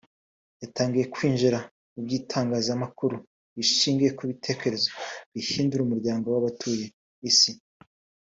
yatangiye kwinjira mu by’itangazamakuru rishingiye ku bitekerezo bihindura umuryango w’abatuye isi